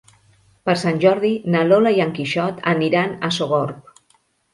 Per Sant Jordi na Lola i en Quixot aniran a Sogorb.